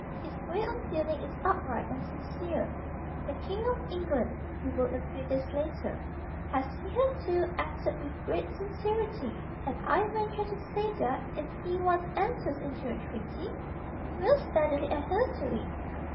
His way of dealing is upright and sincere." "The King of England," he wrote a few days later, "has hitherto acted with great sincerity; and I venture to say that, if he once enters into a treaty, he will steadily adhere to it."